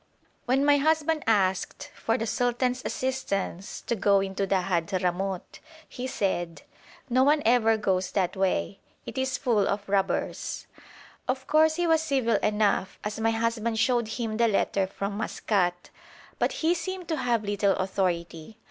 When my husband asked for the sultan's assistance to go into the Hadhramout, he said: 'No one ever goes that way, it is full of robbers.' Of course he was civil enough, as my husband showed him the letter from Maskat, but he seemed to have little authority.